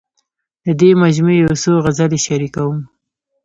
د دې مجموعې یو څو غزلې شریکوم.